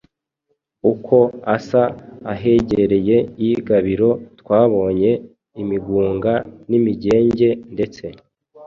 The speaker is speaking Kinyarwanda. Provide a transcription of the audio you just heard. uko asa ahegereye i Gabiro. Twabonye imigunga n’imigenge, ndetse